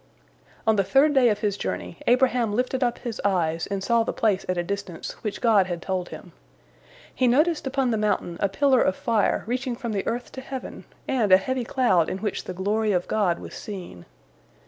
" On the third day of his journey, Abraham lifted up his eyes and saw the place at a distance, which God had told him. He noticed upon the mountain a pillar of fire reaching from the earth to heaven, and a heavy cloud in which the glory of God was seen.